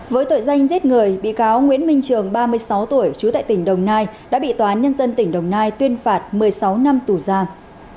với tội danh giết người bị cáo nguyễn minh trường ba mươi sáu tuổi trú tại tỉnh đồng nai đã bị tòa án nhân dân tỉnh đồng nai tuyên phạt một mươi sáu năm tù giam